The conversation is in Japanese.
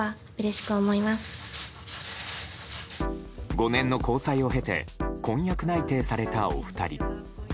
５年の交際を経て婚約内定されたお二人。